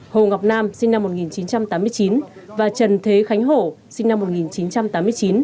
hồ ngọc nam sinh năm một nghìn chín trăm tám mươi chín và trần thế khánh hổ sinh năm một nghìn chín trăm tám mươi chín